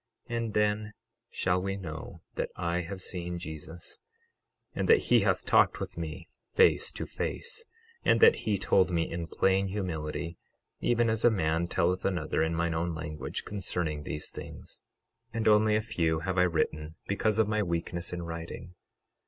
12:39 And then shall ye know that I have seen Jesus, and that he hath talked with me face to face, and that he told me in plain humility, even as a man telleth another in mine own language, concerning these things; 12:40 And only a few have I written, because of my weakness in writing.